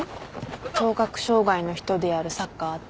聴覚障がいの人でやるサッカーあって。